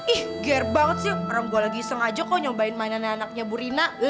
ih gere banget sih orang gue lagi sengaja kok nyobain mainan anaknya bu rina